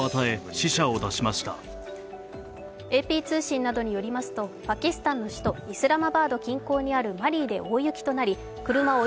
ＡＰ通信などによりますとパキスタンの首都・イスラマバード近郊にあるマリーで大雪となり車